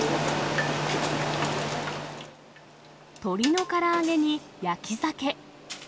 鶏のから揚げに、焼きザケ。